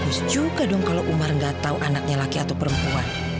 gus juga dong kalau umar nggak tahu anaknya laki atau perempuan